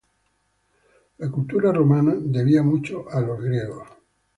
La cultura romana debía mucho a los antiguos griegos.